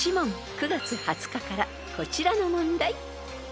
［９月２０日からこちらの問題］